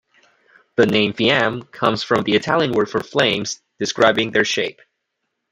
The name "fiamme" comes from the Italian word for "flames", describing their shape.